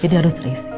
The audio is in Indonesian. jadi harus diisi